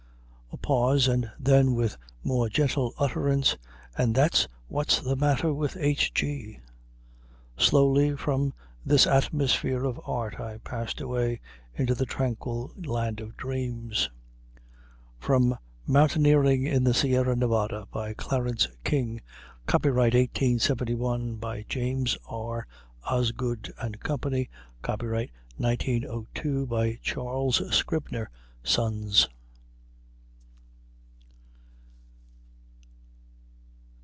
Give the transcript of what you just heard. A pause, and then with more gentle utterance, "and that's what's the matter with H. G." Slowly from this atmosphere of art I passed away into the tranquil land of dreams. [From Mountaineering in the Sierra Nevada, by Clarence King. Copyright, 1871, by James R. Osgood & Co. Copyright, 1902, by Charles Scribner's Sons.